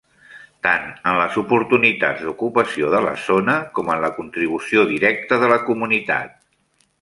Tant en les oportunitats d'ocupació de la zona com en la contribució directa de la comunitat.